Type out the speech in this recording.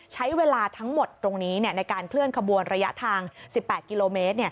ใช้เวลาทั้งหมดตรงนี้ในการเคลื่อนขบวนระยะทาง๑๘กิโลเมตร